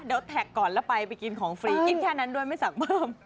เดี๋ยวแท็กก่อนแล้วไปไปกินของฟรีกินแค่นั้นด้วยไม่สั่งเพิ่ม